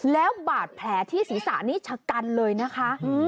แล้วบาดแผลที่ศีรษะนี้ชะกันเลยนะคะ